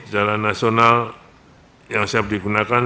jalan nasional yang siap digunakan